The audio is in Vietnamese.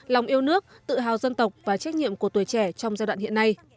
lòng yêu nước tự hào dân tộc và trách nhiệm của tuổi trẻ trong giai đoạn hiện nay